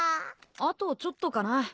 あとちょっとかな。